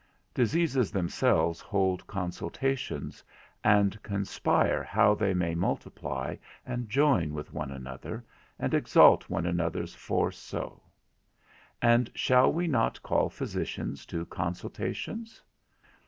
Diseases themselves hold consultations, and conspire how they may multiply, and join with one another, and exalt one another's force so; and shall we not call physicians to consultations?